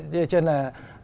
thế cho nên là